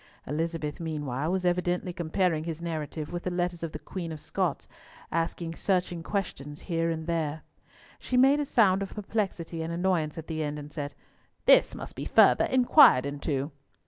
Elizabeth meanwhile was evidently comparing his narrative with the letters of the Queen of Scots, asking searching questions here and there. She made a sound of perplexity and annoyance at the end, and said, "This must be further inquired into."